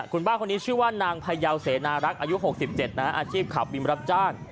คุณป้าคนนี้ชื่อว่านางพยาวเสนารักษ์อายุ๖๗นะอาชีพขับวินรับจ้าง